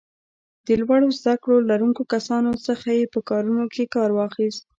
د لوړو زده کړو لرونکو کسانو څخه یې په کارونو کې کار واخیست.